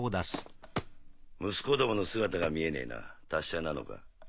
息子どもの姿が見えねえな達者なのか？